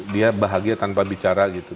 dia bahagia tanpa bicara gitu